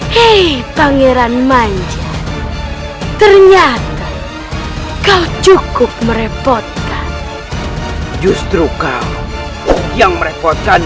hey pangeran manji ternyata kau cukup merepotkan justru kau yang merepotkan